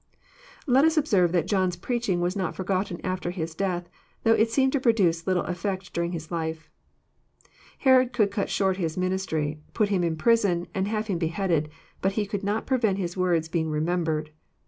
Let us observe that John's preaching was not forgotten after his death, though it seemed to produce little efi'ect during his Ufe. Herod could cut short his ministry, put him in prison, and have him beheaded ; but he could not prevent his words being remembered.